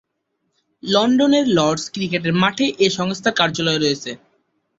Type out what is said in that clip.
লন্ডনের Lord's cricket মাঠে এ সংস্থার কার্যালয় রয়েছে।